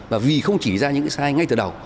và vì không chỉ ra những cái sai ngay từ đầu